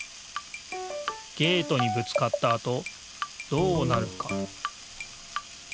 ゲートにぶつかったあとどうなるか？